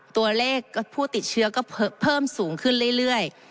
ตัวเลขผู้ติดเชื้อก็เพิ่มสูงขึ้นเรื่อย